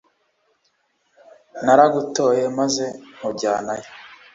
Naragutoye maze nkujyanayo